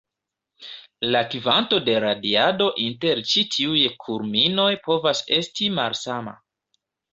La kvanto de radiado inter ĉi tiuj kulminoj povas esti malsama.